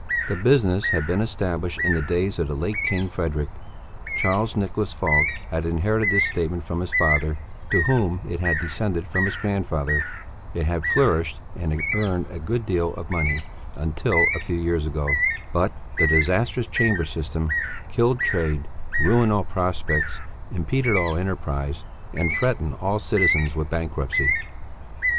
The business had been established in the days of the late King Frederick Charles Nicholas Falk had inherited this statement from his father, to whom it had descended from his grandfather; it had flourished and earned a good deal of money until a few years ago; but the disastrous chamber system killed trade, ruined all prospects, impeded all enterprise, and threatened all citizens with bankruptcy.